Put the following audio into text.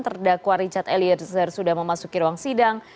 terdakwa richard eliezer sudah memasuki ruang sidang